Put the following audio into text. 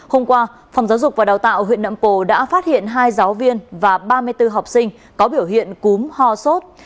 hôm qua phòng giáo dục và đào tạo huyện nậm pồ đã phát hiện hai giáo viên và ba mươi bốn học sinh có biểu hiện cúm ho sốt